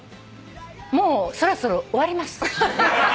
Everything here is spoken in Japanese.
もうそろそろ終わります。